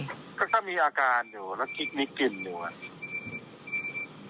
ก็ค่อนข้างมีอาการอยู่แล้วก็คลิกนิกกลิ่นอยู่